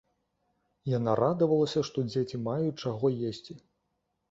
Яна радавалася, што дзеці маюць чаго есці.